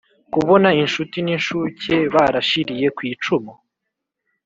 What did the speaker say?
Kubon inshuti n'incuke barashiriye kw'icumu